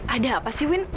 ada apa sih win